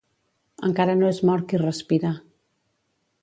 Encara no és mort qui respira.